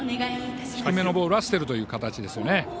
低めのボールは捨てるという形ですね。